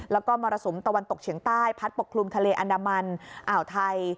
แล้วก็มรสุมตะวันตกเฉียงใต้พัดปกคลุมทะเลอันดามันอ่าวไทย